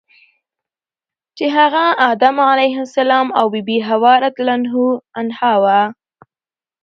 چی هغه ادم علیه السلام او بی بی حوا رضی الله عنها ده .